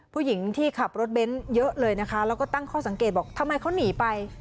ผู้หญิงที่ขับรถเบนท์เยอะเลยนะคะแล้วก็ตั้งข้อสังเกตบอกทำไมเขาหนีไป